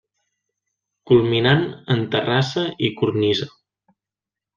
Culminant en terrassa i cornisa.